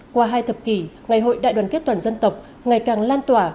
qua hai thập kỷ ngày hội đại đoàn kết toàn dân tộc ngày càng lan tỏa